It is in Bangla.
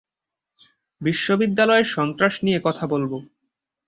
বিশ্ববিদ্যালয়ের সন্ত্রাস নিয়ে কথা বলব।